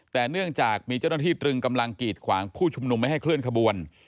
แต่เนื่องจากมีเจ้าหน้าที่ตรึงกำลังกีดขวางผู้ชุมนุมไม่ให้เคลื่อนขบวน